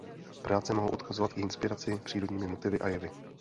Práce mohou odkazovat k inspiraci přírodními motivy a jevy.